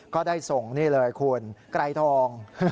ก็ได้ส่งนี่เลยคุณไกรทอง